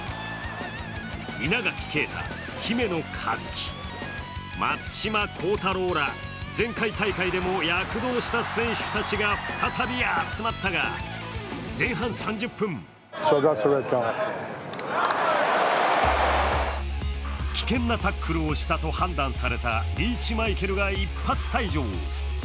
稲垣啓太、姫野和樹、松島幸太朗ら前回大会でも躍動した選手たちが再び集まったが、前半３０分危険なタックルをしたと判断されたリーチマイケルが一発退場。